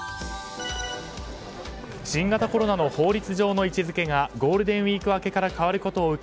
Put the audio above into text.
新型コロナの法律上の位置づけがゴールデンウィーク明けから変わることを受け